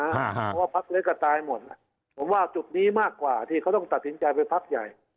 เพราะว่าพักเล็กก็ตายหมดผมว่าจุดนี้มากกว่าที่เขาต้องตัดสินใจไปพักใหญ่